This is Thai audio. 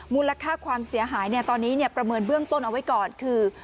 มูลค่าความเสียหายตอนนี้ประเมินเบื้องต้นเอาไว้ก่อนคือ